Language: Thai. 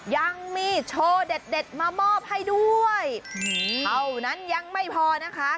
ยังมีโชว์เด็ดเด็ดมามอบให้ด้วยเท่านั้นยังไม่พอนะคะ